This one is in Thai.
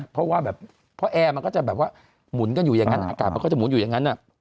เพราะว่าแบบเพราะแอร์มันก็จะแบบว่าหมุนกันอยู่อย่างนั้นอากาศมันก็จะหุนอยู่อย่างนั้น